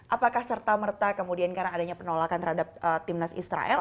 apakah serta merta kemudian karena adanya penolakan terhadap timnas israel